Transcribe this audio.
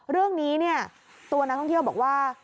เรื่องนี้เนี่ยตัวนักท่องเที่ยวบอกว่า